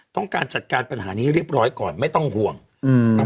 ต้องการจัดการปัญหานี้ให้เรียบร้อยก่อนไม่ต้องห่วงอืมครับ